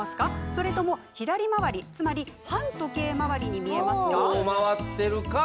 それとも左回りつまり反時計回りに見えますか？